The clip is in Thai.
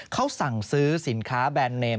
เขาสั่งซื้อสินค้าแบรนด์เนม